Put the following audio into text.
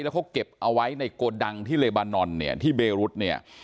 แล้วเขาเก็บเอาไว้ในโกดังที่เลบานอนเนี่ยที่เบรุษเนี่ย